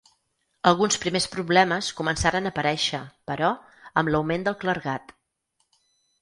Alguns primers problemes començaren a aparèixer, però, amb l'augment del clergat.